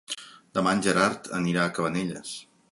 Demà en Gerard anirà a Cabanelles.